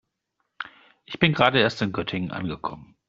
Ich bin gerade erst in Göttingen angekommen